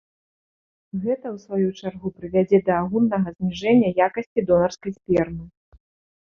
Гэта ў сваю чаргу прывядзе да агульнага зніжэння якасці донарскай спермы.